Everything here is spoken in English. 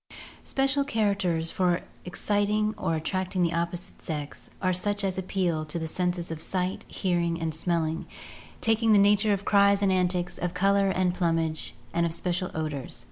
Special characters for exciting or attracting the opposite sex are such as appeal to the senses of sight, hearing, and smelling, taking the nature of cries and antics, of color and plumage, and of special odors.